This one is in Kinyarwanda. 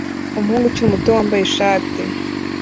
Umuhungu ukiri muto wambaye ishati